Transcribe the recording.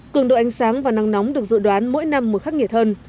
cường độ ánh sáng và nắng nóng được dự đoán mỗi năm một khắc nghiệt hơn